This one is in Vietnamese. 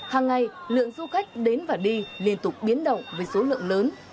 hàng ngày lượng du khách đến và đi liên tục biến động với số lượng lớn